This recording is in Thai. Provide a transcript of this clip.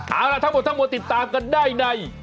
เอาล่ะทั้งหมดติดตามกันได้ใน